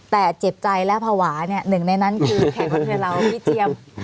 แต่เจ็บใจและภาวะเนี่ยหนึ่งในนั้นคือแขกรับเชิญเราพี่เจียม